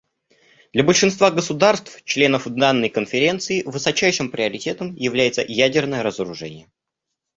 Для большинства государств − членов данной Конференции высочайшим приоритетом является ядерное разоружение.